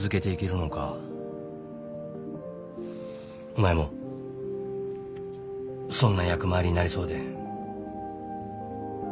お前も損な役回りになりそうで。